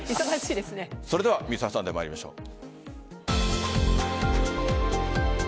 それでは「Ｍｒ．サンデー」参りましょう。